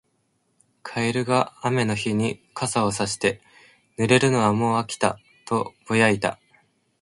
カエルが雨の日に傘をさして、「濡れるのはもう飽きた」とぼやいた。